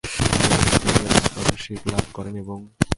তিনি imperial scholarship লাভ করেন এবং আরও অধ্যয়নের জন্য ইউরোপ গমন করেন।